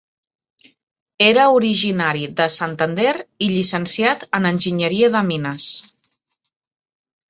Era originari de Santander i llicenciat en enginyeria de mines.